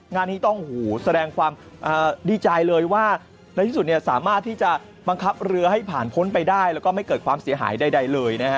งานนี้ต้องแสดงความดีใจเลยว่าในที่สุดเนี่ยสามารถที่จะบังคับเรือให้ผ่านพ้นไปได้แล้วก็ไม่เกิดความเสียหายใดเลยนะฮะ